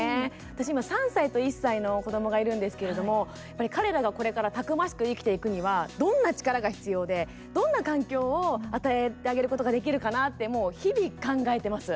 私、今、３歳と１歳の子どもがいるんですけれども彼らがこれからたくましく生きていくにはどんな力が必要で、どんな環境を与えてあげることができるかなって、もう日々考えてます。